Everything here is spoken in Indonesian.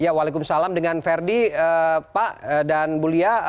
ya waalaikumsalam dengan ferdi pak dan bulia